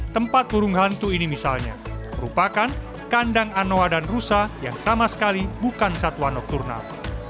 tempat burung hantu ini misalnya merupakan kandang anoa dan rusa yang sama sekali bukan satwa nokturnal